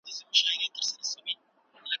د ټولنې روغتيا يې عمومي مسووليت ګاڼه.